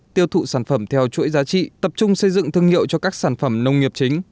tiêu thụ sản phẩm theo chuỗi giá trị tập trung xây dựng thương hiệu cho các sản phẩm nông nghiệp chính